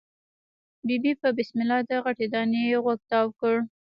ببۍ په بسم الله د غټې دانی غوږ تاو کړ.